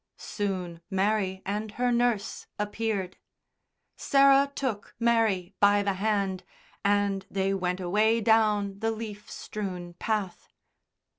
Soon Mary and her nurse appeared. Sarah took Mary by the hand and they went away down the leaf strewn path.